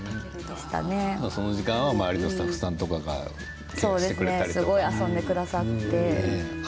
その時間は周りのスタッフさんとかが遊んでくださって。